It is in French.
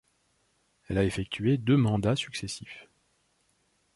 Elle a effectué deux mandats successifs.